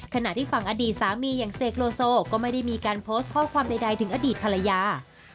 ขณะที่ฝั่งอดีตสามีอย่างเสกโลโซก็ไม่ได้มีการโพสต์ข้อความใดถึงอดีตภรรยา